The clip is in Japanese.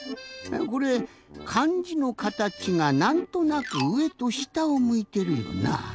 これかんじのかたちがなんとなく「上」と「下」をむいてるよな。